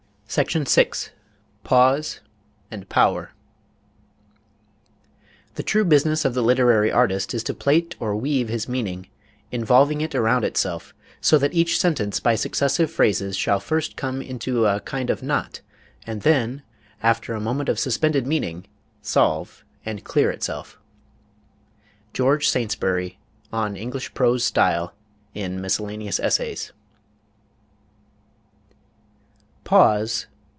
CHAPTER VI PAUSE AND POWER The true business of the literary artist is to plait or weave his meaning, involving it around itself; so that each sentence, by successive phrases, shall first come into a kind of knot, and then, after a moment of suspended meaning, solve and clear itself. GEORGE SAINTSBURY, on English Prose Style, in Miscellaneous Essays. ... pause